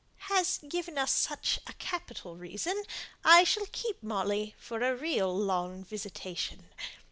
" has given us such a capital reason, I shall keep Molly for a real long visitation.